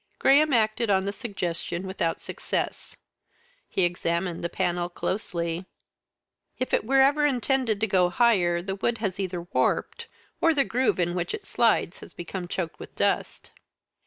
Graham acted on the suggestion, without success. He examined the panel closely. "If it were ever intended to go higher, the wood has either warped, or the groove in which it slides has become choked with dust."